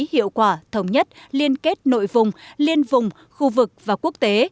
hiệu quả thống nhất liên kết nội vùng liên vùng khu vực và quốc tế